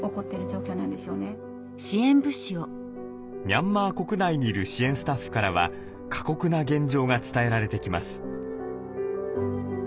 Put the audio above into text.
ミャンマー国内にいる支援スタッフからは過酷な現状が伝えられてきます。